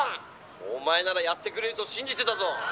お前ならやってくれると信じてたぞ」。